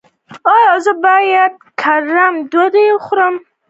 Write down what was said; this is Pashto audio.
ایا زه باید ګرمه ډوډۍ وخورم؟